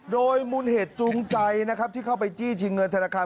โดยมุนเหตุจูงใจที่เข้าไปจี้ชีเงินธนาคาร